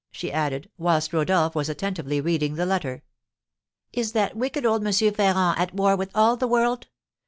she added, whilst Rodolph was attentively reading the letter. "Is that wicked old M. Ferrand at war with all the world?